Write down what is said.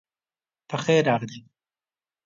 پخیر راغلی